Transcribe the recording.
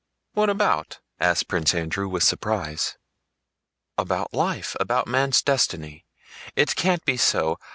What about?" asked Prince Andrew with surprise. "About life, about man's destiny. It can't be so.